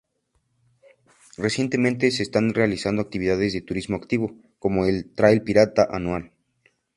Recientemente se están realizando actividades de turismo activo, como el "Trail Pirata" anual.